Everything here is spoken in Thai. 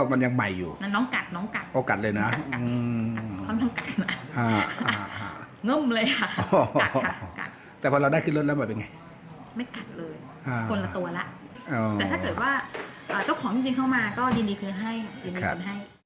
ถ้าเจ้าของกินเท่ามายินดีเท่าไหร่